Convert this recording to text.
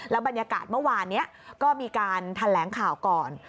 บรรยากาศเมื่อวานนี้ก็มีการแถลงข่าวก่อน